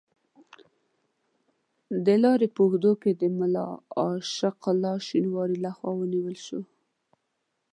د لارې په اوږدو کې د ملا عاشق الله شینواري له خوا ونیول شو.